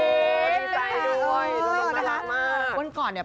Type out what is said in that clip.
ดีใจด้วยนุ้ยมากมากนะครับวันก่อนเนี่ย